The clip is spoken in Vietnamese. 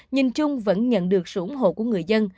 nhìn chung vẫn nhận được sự ủng hộ của người dân